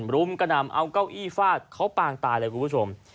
รุมกระหน่ำเอาเก้าอี้ฟาดเขาปางตายเลยคุณผู้ชม